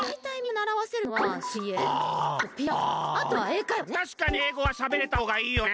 たしかに英語はしゃべれたほうがいいよね。